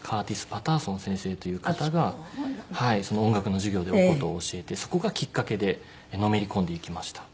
・パターソン先生という方が音楽の授業でお箏を教えてそこがきっかけでのめり込んでいきました。